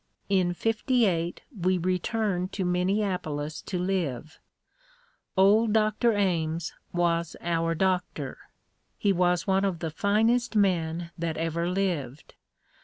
In '58 we returned to Minneapolis to live. Old Dr. Ames was our doctor. He was one of the finest men that ever lived.